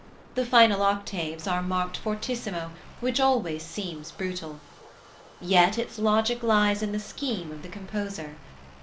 The final octaves are marked fortissimo which always seems brutal. Yet its logic lies in the scheme of the composer.